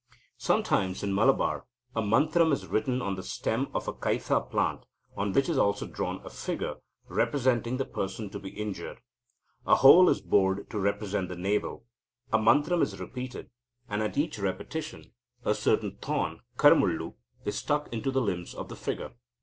Sometimes, in Malabar, "a mantram is written on the stem of the kaitha plant, on which is also drawn a figure representing the person to be injured. A hole is bored to represent the navel. The mantram is repeated, and at each repetition a certain thorn (karamullu) is stuck into the limbs of the figure.